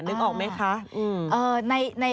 นึกออกไหมคะ